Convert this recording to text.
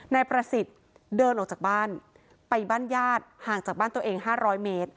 นายประสิทธิ์เดินออกจากบ้านไปบ้านญาติห่างจากบ้านตัวเอง๕๐๐เมตร